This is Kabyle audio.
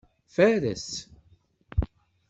Fares.